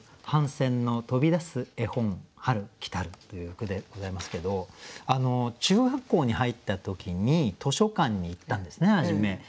「帆船の飛び出す絵本春来る」という句でございますけど中学校に入った時に図書館に行ったんですね初め。